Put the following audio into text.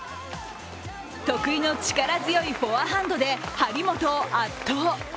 得意の力強いフォアハンドで張本を圧倒。